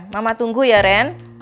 mama tunggu ya ren